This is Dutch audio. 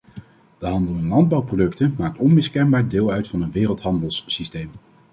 De handel in landbouwproducten maakt onmiskenbaar deel uit van een wereldhandelssysteem.